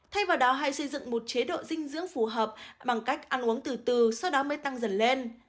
thay vào đó hay xây dựng một chế độ dinh dưỡng phù hợp bằng cách ăn uống từ từ sau đó mới tăng dần lên